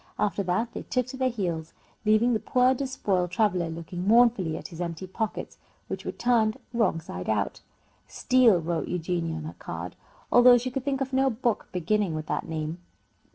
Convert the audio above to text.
After that they took to their heels, leaving the poor despoiled traveller looking mournfully at his empty pockets, which were turned wrong side out. "Steal" wrote Eugenia on her card, although she could think of no book beginning with that name.